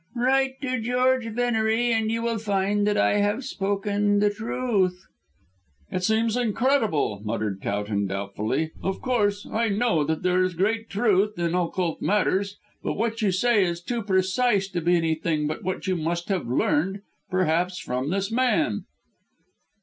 "Write to George Venery and you will find that I have spoken the truth." "It seems incredible," muttered Towton doubtfully. "Of course, I know that there is great truth in occult matters. But what you say is too precise to be anything but what you must have learned perhaps from this man."